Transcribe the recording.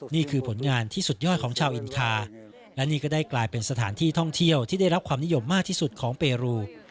นี่คือผลงานที่สุดยอดของชาวอินคาและนี่ก็ได้กลายเป็นสถานที่ท่องเที่ยวที่ได้รับความนิยมมากที่สุดของเปรู